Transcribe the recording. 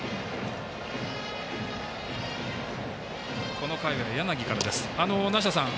この回は柳からです。